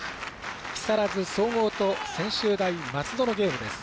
木更津総合と専修大松戸のゲームです。